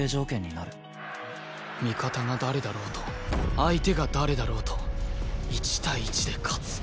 味方が誰だろうと相手が誰だろうと１対１で勝つ